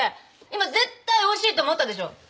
今絶対おいしいって思ったでしょ？